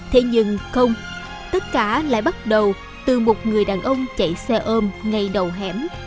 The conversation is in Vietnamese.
thế nhưng không tất cả lại bắt đầu từ một người đàn ông chạy xe ôm ngay đầu hẻm